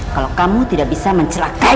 kalau kamu gak bisa mencelakai roy